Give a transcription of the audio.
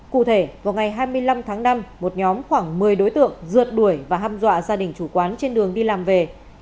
cụ thể vào ngày hai mươi năm tháng năm một nhóm khoảng một mươi đối tượng rượt đuổi và hâm dọa gia đình chủ quán trên đường đi làm về